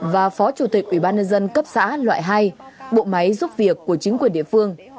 và phó chủ tịch ủy ban nhân dân cấp xã loại hai bộ máy giúp việc của chính quyền địa phương